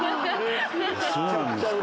そうなんですか。